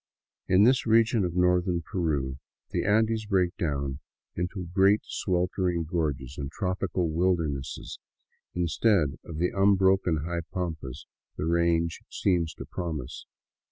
In this region of northern Peru, the Andes break down into great sweltering gorges and tropical wildernesses instead of the unbroken high pampas the range seems to promise.